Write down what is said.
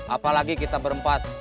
apalagi kita berempat